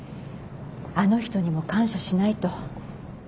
あの人にも感謝しないと。